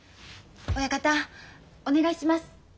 親方お願いします。